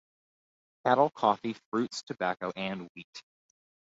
Cattle, coffee, fruits, tobacco, and wheat.